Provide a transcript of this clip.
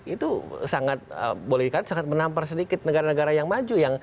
itu sangat boleh dikatakan sangat menampar sedikit negara negara yang maju